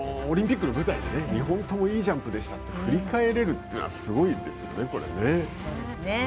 オリンピックの舞台で２本ともいいジャンプでしたと振り返れるというのはすごいですよね、これね。